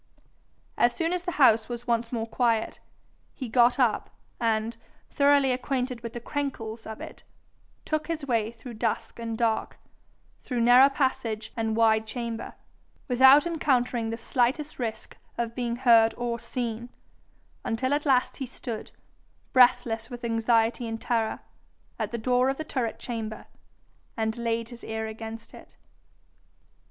As soon as the house was once more quiet, he got up, and, thoroughly acquainted with the "crenkles" of it, took his way through dusk and dark, through narrow passage and wide chamber, without encountering the slightest risk of being heard or seen, until at last he stood, breathless with anxiety and terror, at the door of the turret chamber, and laid his ear against it.